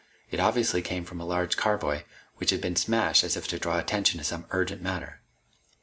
It obviously came from a large carboy which had been smashed as if to draw attention to some urgent matter.